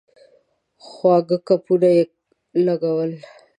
خواږه ګپونه یې لګول.